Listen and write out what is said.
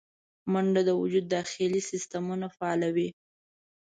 منډه د وجود داخلي سیستمونه فعالوي